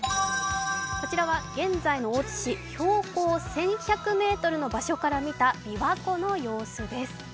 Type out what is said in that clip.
こちらは現在の大津市、標高１１００ｍの場所から見たびわ湖の様子です。